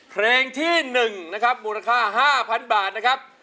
เพลงที่๑นะครับมูลค่า๕๐๐๐บาทนะครับ